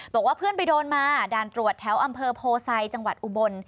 บอกว่าเพื่อนไปโดนมาด่านตรวจแถวอำเภอโพไซจังหวัดอุบล